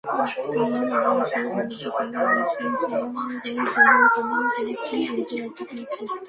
আমার মালয়েশীয় বন্ধুদের সঙ্গে আমি সেলাঙগোর, জোহর, পাহান, কেলাস্তান প্রভৃতি রাজ্য ঘুরেছি।